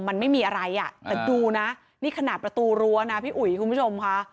มันไม่มีอะไรอ่ะแต่ดูนะนี่ขนาดประตูรั้วนะพี่อุ๋ยคุณผู้ชมค่ะ